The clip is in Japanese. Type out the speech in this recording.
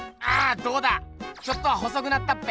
どうだちょっとは細くなったっぺ？